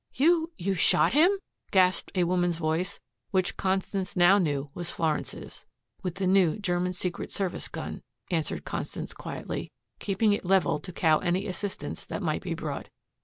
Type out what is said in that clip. "You you shot him?" gasped a woman's voice which Constance now knew was Florence's. "With the new German Secret Service gun," answered Constance quietly, keeping it leveled to cow any assistance that might be brought.